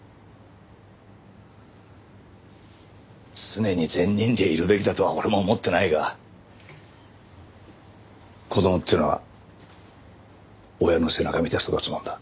常に善人でいるべきだとは俺も思ってないが子供ってのは親の背中見て育つもんだ。